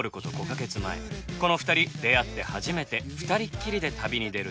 ５カ月前この２人出会って初めて２人っきりで旅に出ると。